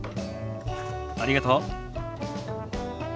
ありがとう。